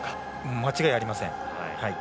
間違いありません。